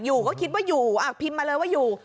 อยู่ก็คิดว่าอยู่พิมพ์มาเลยว่าอยู่